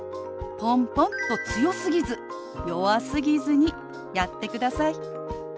ポンポンと強すぎず弱すぎずにやってください。